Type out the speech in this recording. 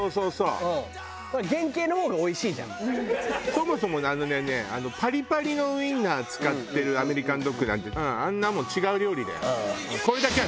そもそもあのねパリパリのウィンナー使ってるアメリカンドッグなんてあんなもん違う料理だよ。